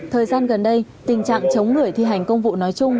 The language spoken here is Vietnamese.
thời gian gần đây tình trạng chống người thi hành công vụ nói chung